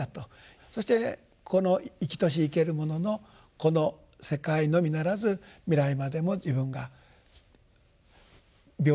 そしてこの生きとし生けるもののこの世界のみならず未来までも自分が平等に見たい。